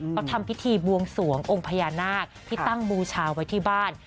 เขาทำพิธีบวงสวงองค์พญานาคที่ตั้งบูชาไว้ที่บ้าน